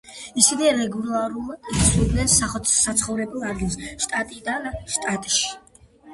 ისინი რეგულარულად იცვლიდნენ საცხოვრებელ ადგილს შტატიდან შტატში.